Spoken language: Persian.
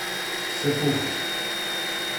سپوخت